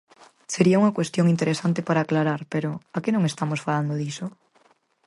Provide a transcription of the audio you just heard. Sería unha cuestión interesante para aclarar, pero ¿a que non estamos falando diso?